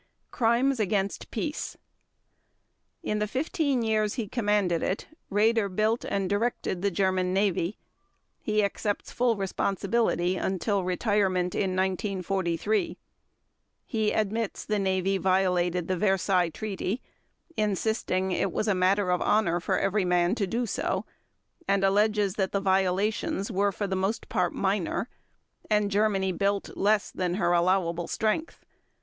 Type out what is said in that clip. Crimes against Peace In the 15 years he commanded it, Raeder built and directed the German Navy; he accepts full responsibility until retirement in 1943. He admits the Navy violated the Versailles Treaty, insisting it was "a matter of honor for every man" to do so, and alleges that the violations were for the most part minor, and Germany built less than her allowable strength.